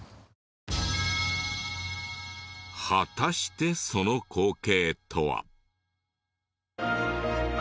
果たしてその光景とは。